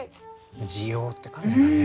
滋養って感じがね。